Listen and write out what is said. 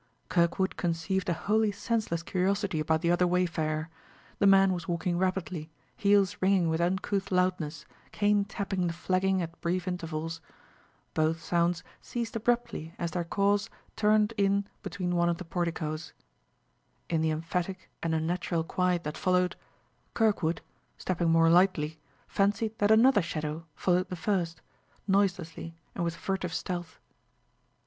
Kirkwood conceived a wholly senseless curiosity about the other wayfarer. The man was walking rapidly, heels ringing with uncouth loudness, cane tapping the flagging at brief intervals. Both sounds ceased abruptly as their cause turned in beneath one of the porticos. In the emphatic and unnatural quiet that followed, Kirkwood, stepping more lightly, fancied that another shadow followed the first, noiselessly and with furtive stealth.